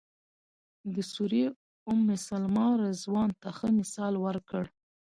د سوریې ام سلمې رضوان ته ښه مثال ورکړ.